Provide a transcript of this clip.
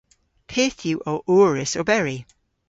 Pyth yw ow ourys oberi?